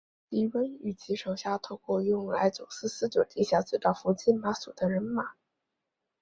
狄翁与其手下透过用来走私私酒的地下隧道伏击马索的人马。